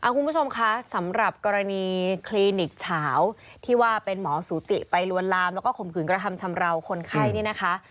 คุณผู้ชมคะสำหรับกรณีคลินิกเฉาที่ว่าเป็นหมอสูติไปลวนลามแล้วก็ข่มขืนกระทำชำราวคนไข้นี่นะคะ